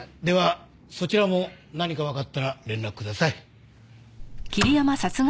ではそちらも何かわかったら連絡ください。